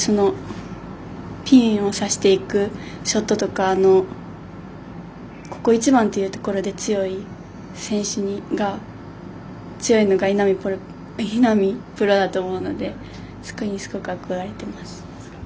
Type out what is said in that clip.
ピンをさしていくショットとかここ一番というところで強い選手が稲見プロだと思うのでそこにすごく憧れています。